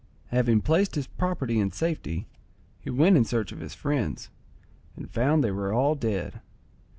Having placed his property in safety, he went in search of his friends, and found they were all dead.